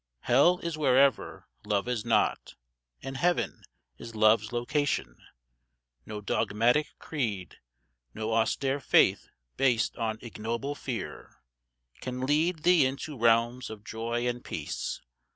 Hell is wherever Love is not, and Heaven Is Love's location. No dogmatic creed, No austere faith based on ignoble fear Can lead thee into realms of joy and peace.